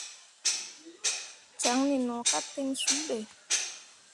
Caŋne no ka ten sul be.